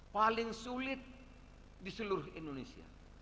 paling sulit di seluruh indonesia